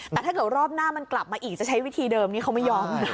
แต่ถ้าเกิดรอบหน้ามันกลับมาอีกจะใช้วิธีเดิมนี้เขาไม่ยอมนะ